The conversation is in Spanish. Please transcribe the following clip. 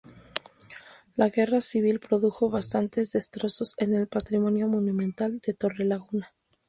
La guerra civil produjo bastantes destrozos en el patrimonio monumental de Torrelaguna.